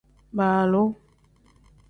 Baaloo.